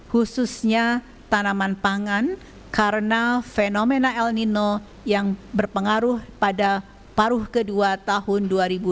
khususnya tanaman pangan karena fenomena el nino yang berpengaruh pada paruh kedua tahun dua ribu dua puluh